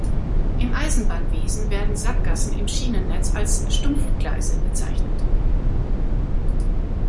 Im Eisenbahnwesen werden Sackgassen im Schienennetz als Stumpfgleise bezeichnet.